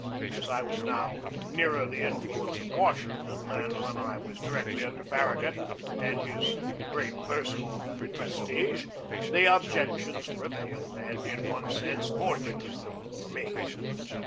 As I was now nearer the influence of Washington than when I was directly under Farragut and his great personal prestige, the objections prevailed, and in one sense fortunately for me.